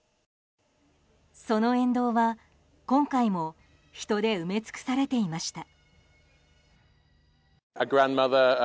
その沿道は今回も人で埋め尽くされていました。